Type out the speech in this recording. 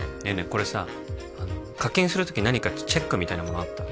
これさ課金する時何かチェックみたいなものあった？